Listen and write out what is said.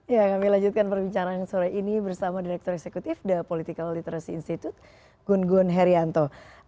ya kami lanjutkan perbincangan sore ini bersama direktur eksekutif the political literacy institute gun gun herianto